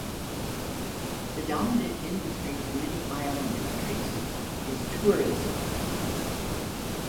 The dominant industry for many island countries is tourism.